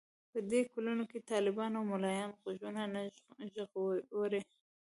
په دې کلونو کې طالبان او ملايان غوږونه نه ژغوري.